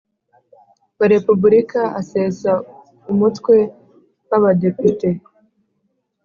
wa Repubulika asesa Umutwe w Abadepite